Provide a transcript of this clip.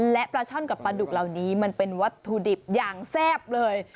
และปลาช่อนกับปลาดุกเหล่านี้มันเป็นวัตถุดิบอย่างแซ่บเลย